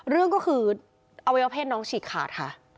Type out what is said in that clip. เรื่องก็คืออวัยวะเพศน้องฉีกขาดค่ะ